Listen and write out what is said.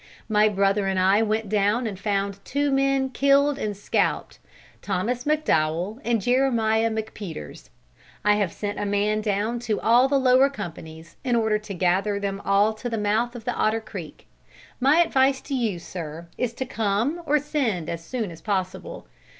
My brother and I went down and found two men killed and scalped, Thomas McDowell and Jeremiah McPeters. I have sent a man down to all the lower companies, in order to gather them all to the mouth of the Otter Creek. My advice to you, sir, is to come or send as soon as possible.